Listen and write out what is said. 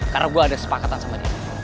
karena gue ada sepakatan sama dia